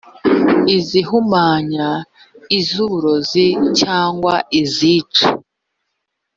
izihumanya iz uburozi cyangwa izica